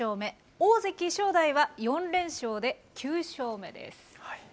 大関・正代は４連勝で９勝目です。